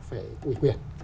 phải ủy quyền